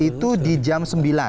itu di jam sembilan